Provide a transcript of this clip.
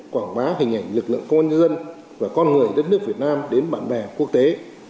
quảng bá hình ảnh lực lượng công an nhân dân và con người đất nước việt nam đến bạn bè quốc tế